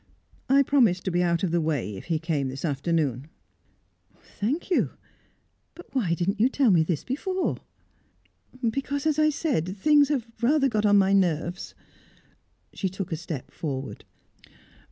I promised to be out of the way if he came this afternoon." "Thank you but why didn't you tell me this before?" "Because, as I said, things have got rather on my nerves." She took a step forward.